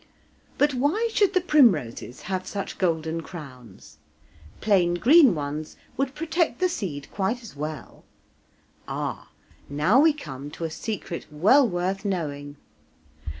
But why should the primroses have such golden crowns? plain green ones would protect the seed quite as well. Ah! now we come to a secret well worth knowing.